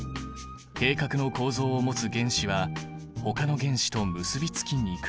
閉殻の構造を持つ原子はほかの原子と結びつきにくい。